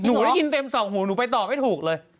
หนูได้ยินเต็มสองหูหนูไปต่อไม่ถูกเลย